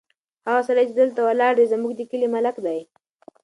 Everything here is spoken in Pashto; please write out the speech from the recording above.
هغه سړی چې دلته ولاړ دی، زموږ د کلي ملک دی.